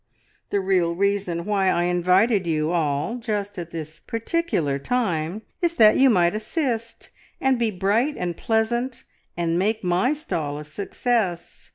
The real reason why I invited you all just at this particular time is that you might assist, and be bright and pleasant and make my stall a success."